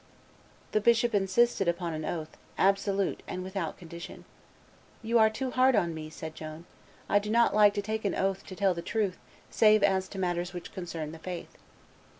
The bishop insisted upon an oath absolute and with out condition. "You are too hard on me," said Joan; I do not like to take an oath to tell the truth save as to matters which concern the faith."